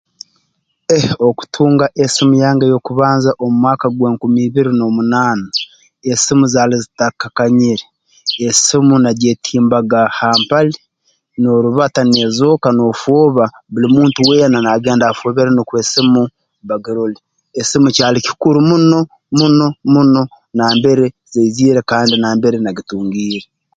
Eeh okutunga esimu yange ey'okubanza omu mwaka gw'enkumi ibiri n'omunaana esimu zaali zitakakanyire esimu nagyetimbaga ha mpali noorubata neezooka noofooba buli muntu weena naagenda afoobeere nukwe esimu bagirole esimu kyali kikuru muno muno muno nambere zaiziire kandi nambere nagitungiire